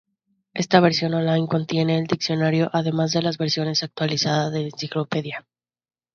Esta versión online contiene el diccionario además de las versión actualizada de la enciclopedia.